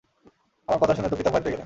আমার কথা শুনে তো পিতা ভয় পেয়ে গেলেন।